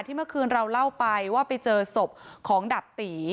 เมื่อคืนเราเล่าไปว่าไปเจอศพของดาบตี